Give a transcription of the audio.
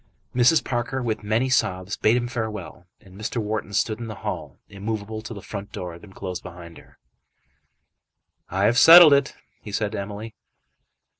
Mrs. Parker, with many sobs, bade him farewell, and Mr. Wharton stood in the hall immovable till the front door had been closed behind her. "I have settled it," he said to Emily.